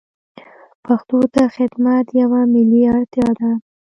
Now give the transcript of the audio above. پښتو ته خدمت یوه ملي اړتیا ده.